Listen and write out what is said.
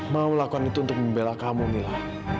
mama melakukan itu untuk membela kamu mila